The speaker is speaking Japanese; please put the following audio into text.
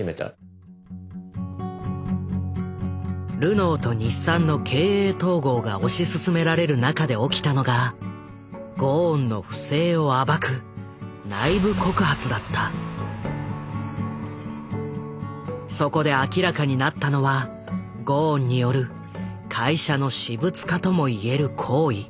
ルノーと日産の経営統合が推し進められる中で起きたのがゴーンの不正を暴くそこで明らかになったのはゴーンによる会社の私物化ともいえる行為。